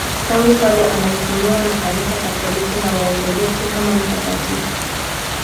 Tangu kale anaheshimiwa na Kanisa Katoliki na Waorthodoksi kama mtakatifu.